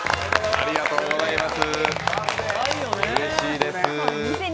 ありがとうございます！